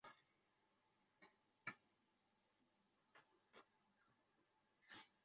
清光绪三十二年末分科布多所属阿尔泰山一带置。